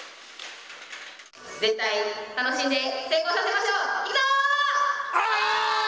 絶対に楽しんで成功させましおー！